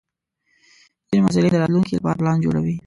ځینې محصلین د راتلونکي لپاره پلان جوړوي.